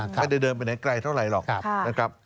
ไม่ได้เดินไปไหนไกลเท่าไหร่หรอกนะครับ